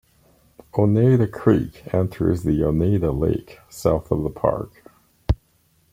Oneida Creek enters the Oneida Lake south of the park.